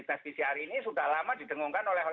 tes pcr ini sudah lama didengungkan oleh